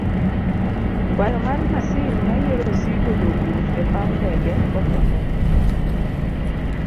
kwayo mar masin mayiero osigo, jowuoth e paw ndege kokethore.